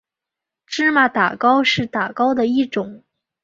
芝麻打糕是打糕的一种。